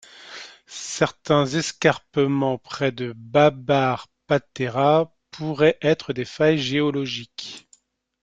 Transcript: Certains escarpements près de Babbar Patera pourraient être des failles géologiques.